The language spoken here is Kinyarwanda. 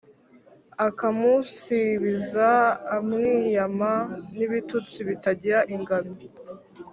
a kamusibiza a mwiyama n'ibitutsi bitagira ingano